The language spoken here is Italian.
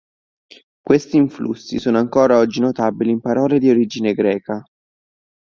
Questi influssi sono ancora oggi notabili in parole di origine greca.